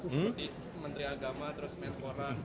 seperti menteri agama terus menpora